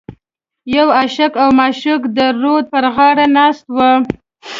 یو عاشق او معشوقه د رود په غاړه ناست و.